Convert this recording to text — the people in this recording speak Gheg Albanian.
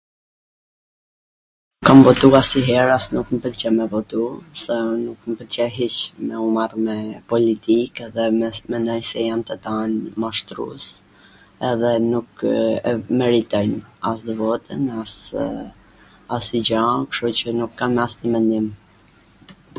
nuk kam botu asnjwher, as nuk mw pwlqen me botu, pse nuk mw pwlqe hiC me u marr me politik dhe mendoj se jan tw tan mashtrus edhe nuk e meritojn as votwn as asnjw gja, kshtu qw nuk kam asnjw mendim